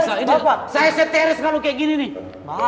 saya seteris kalau kayak gini nih